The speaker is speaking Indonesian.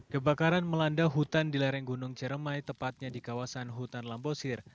kebakaran melanda hutan di lereng gunung ciremai tepatnya di kawasan hutan lambosir